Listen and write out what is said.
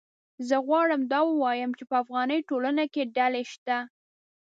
زه غواړم دا ووایم چې په افغاني ټولنه کې ډلې شته